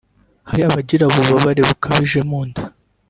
Hari abagira ububabare bukabije mu nda